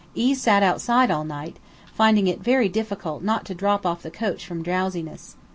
E sat outside all night, finding it very difficult not to drop off the coach from drowsiness.